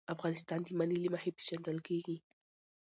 افغانستان د منی له مخې پېژندل کېږي.